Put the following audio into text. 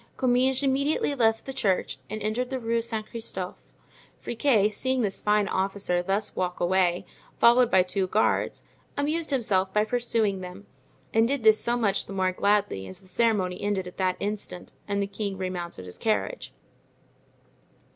Comminges immediately left the church and entered the Rue Saint Christophe. Friquet, seeing this fine officer thus walk away, followed by two guards, amused himself by pursuing them and did this so much the more gladly as the ceremony ended at that instant and the king remounted his carriage.